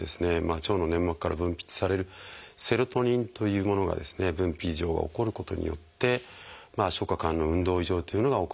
腸の粘膜から分泌されるセロトニンというものが分泌異常が起こることによって消化管の運動異常というのが起こります。